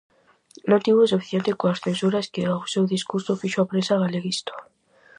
Non tivo suficiente coas censuras que ao seu discurso fixo a prensa galeguista.